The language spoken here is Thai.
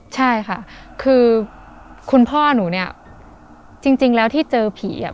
ใช่ค่ะคือคุณพ่อหนูเนี่ยจริงแล้วที่เจอผีอ่ะ